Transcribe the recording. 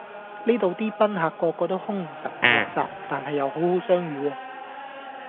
呢度啲賓客個個都凶神惡煞，但係又好好相語喎